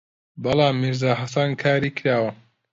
بەڵام «میرزا حەسەن» کاری کراوە